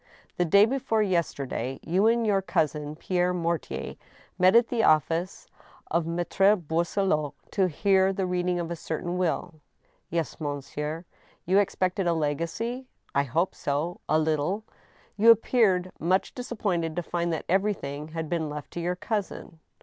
" The day before yesterday you and your cousin, Pierre Mortier, met at the office of Maltre Boisselot, to hear the reading of a certain will?" "Yes, monsieur," You expected a legacy ?" "I hoped so, ... a little." " You appeared much disappointed to find that everything had been left to your cousin